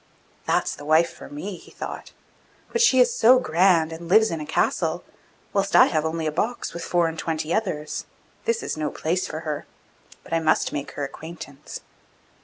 'That's the wife for me!' he thought; 'but she is so grand, and lives in a castle, whilst I have only a box with four and twenty others. This is no place for her! But I must make her acquaintance.